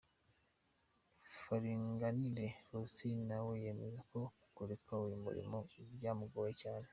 Karinganire Faustin nawe yemeza ko kureka uyu murimo bymugora cyane.